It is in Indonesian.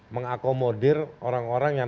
mengakomodir orang orang yang